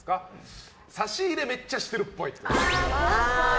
差し入れめっちゃしてるっぽい。